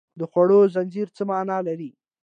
د خوړو زنځیر څه مانا لري